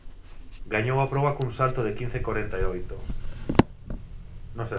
Gañou a proba cun salto de quince corenta e oito.